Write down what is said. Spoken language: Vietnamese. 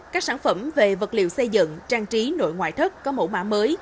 các sản phẩm về vật liệu xây dựng trang trí nội ngoại thất có mẫu mã mới